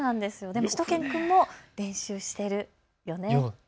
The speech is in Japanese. しゅと犬くんも練習しているよね。